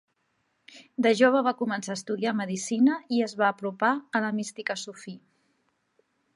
De jove va començar a estudiar medicina i es va apropar a la mística sufí.